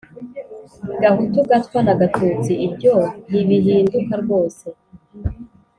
gahutu gatwa na gatutsi. ibyo ntibihinduka rwose.